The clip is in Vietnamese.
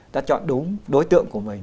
đã chọn đúng đối tượng của mình